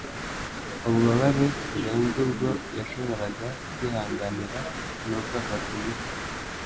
Ububabare burenze ubwo yashoboraga kwihanganira, nuko afata imiti.